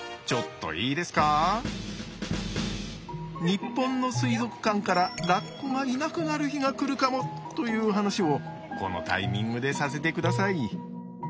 日本の水族館からラッコがいなくなる日が来るかもという話をこのタイミングでさせてください。